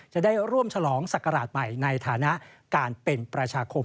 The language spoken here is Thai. จะได้ร่วมฉลองศักราชใหม่ในฐานะการเป็นประชาคม